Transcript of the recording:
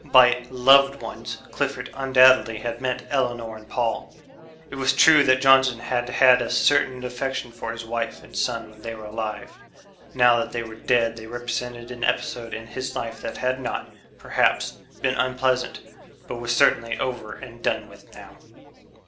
By "loved ones" Clifford undoubtedly had meant Elinor and Paul. It was true that Johnson had had a certain affection for his wife and son when they were alive; now that they were dead they represented an episode in his life that had not, perhaps, been unpleasant, but was certainly over and done with now.